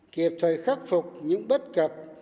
kiệp thời khắc phục những bất cập